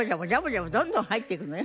どんどん入っていくのよ。